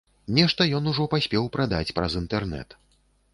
Нешта ён ужо паспеў прадаць праз інтэрнет.